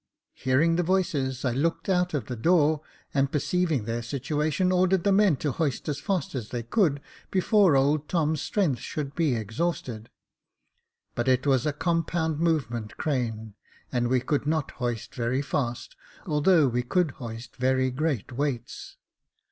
Hearing the voices, I looked out of the door, and per ceiving their situation, ordered the men to hoist as fast as they could, before old Tom's strength should be exhausted ; but it was a compound movement crane, and we could not hoist very fast, although we could hoist very great weights.